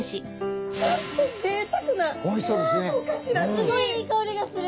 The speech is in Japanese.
すごいいい香りがする。